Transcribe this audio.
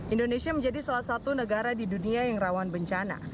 indonesia menjadi salah satu negara di dunia yang rawan bencana